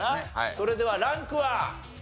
それではランクは？